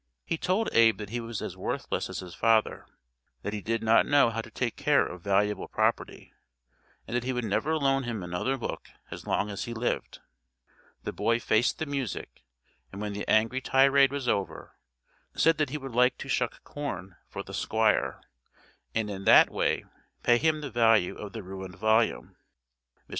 He told Abe that he was as worthless as his father, that he did not know how to take care of valuable property, and that he would never loan him another book as long as he lived. The boy faced the music, and when the angry tirade was over, said that he would like to shuck corn for the Squire, and in that way pay him the value of the ruined volume. Mr.